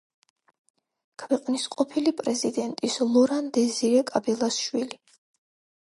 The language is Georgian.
ქვეყნის ყოფილი პრეზიდენტის ლორან-დეზირე კაბილას შვილი.